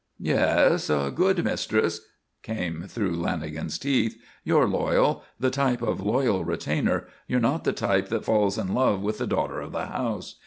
"Yes, a good mistress," came through Lanagan's teeth. "You're loyal. The type of loyal retainer. You're not the type that falls in love with the daughter of the house.